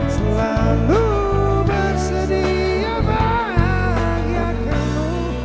selalu bersedia bahayakanmu